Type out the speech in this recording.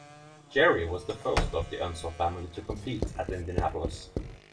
Jerry was the first of the Unser family to compete at Indianapolis.